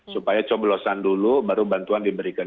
supaya coblosan dulu baru bantuan diberikan